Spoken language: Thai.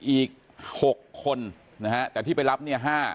อีก๖คนนะฮะแต่ที่ไปรับเนี่ย๕